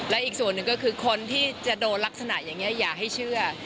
และอีกส่วนหนึ่งก็คือคนที่จะโดนลักษณะอย่างนี้อย่าให้เชื่อ